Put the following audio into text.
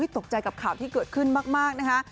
ตกใจกับข่าวที่เกิดขึ้นมากนะคะ